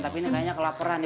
tapi ini kayaknya kelaperan nih